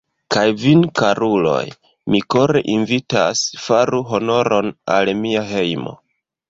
Kaj vin, karuloj, mi kore invitas, faru honoron al mia hejmo!